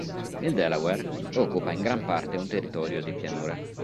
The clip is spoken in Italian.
Il Delaware occupa in gran parte un territorio di pianura.